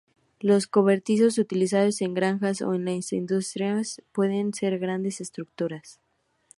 Los cobertizos utilizados en granjas o en las industrias pueden ser grandes estructuras.